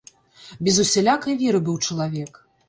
Без усялякай веры быў чалавек.